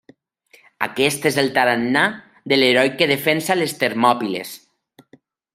Aquest és el tarannà de l’heroi que defensa les Termòpiles.